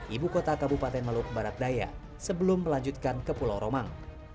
ibu kota kabupaten maluku barat daya sebelum melanjutkan ke pulau romang